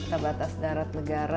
peta batas darat negara